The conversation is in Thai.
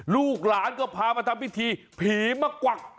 ลูกหลานก็พามาทำพิธีผีมากวัก